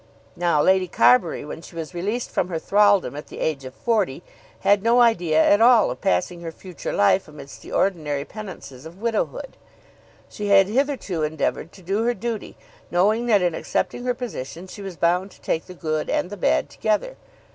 Now Lady Carbury, when she was released from her thraldom at the age of forty, had no idea at all of passing her future life amidst the ordinary penances of widowhood. She had hitherto endeavoured to do her duty, knowing that in accepting her position she was bound to take the good and the bad together.